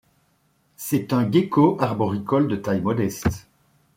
C'est un gecko arboricole de taille modeste.